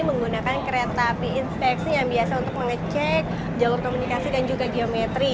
menggunakan kereta api inspeksi yang biasa untuk mengecek jalur komunikasi dan juga geometri